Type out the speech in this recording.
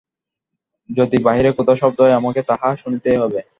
যদি বাহিরে কোথাও শব্দ হয়, আমাকে তাহা শুনিতেই হইবে।